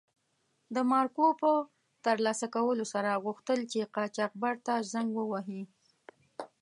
د مارکو په تر لاسه کولو سره غوښتل چې قاچاقبر ته زنګ و وهي.